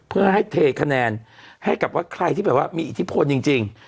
เพื่อให้เทคะแนนให้กับว่าใครที่แบบว่ามีอิทธิพลจริง